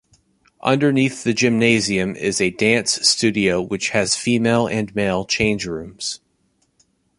Underneath the gymnasium is a dance studio which has female and male changerooms.